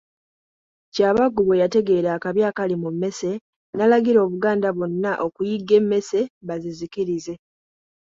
Kyabaggu bwe yategeera akabi akali mu mmese, n'alagira Obuganda bwonna okuyigga emmese bazizikirize.